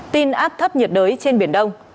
tin áp thấp nhiệt đới trên biển đông